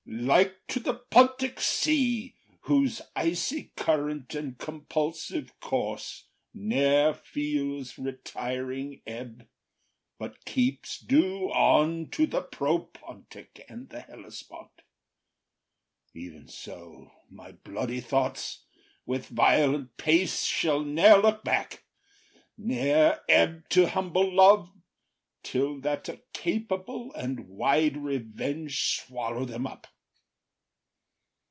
Like to the Pontic Sea, Whose icy current and compulsive course Ne’er feels retiring ebb, but keeps due on To the Propontic and the Hellespont; Even so my bloody thoughts, with violent pace Shall ne’er look back, ne’er ebb to humble love, Till that a capable and wide revenge Swallow them up.